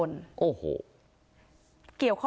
นี่แหละตรงนี้แหละ